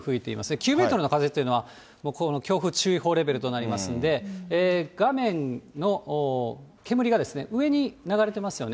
９メートルの風っていうのは、もう強風注意報レベルとなりますんで、画面の煙が上に流れていますよね。